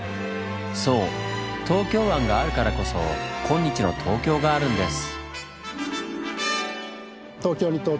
そう東京湾があるからこそ今日の東京があるんです。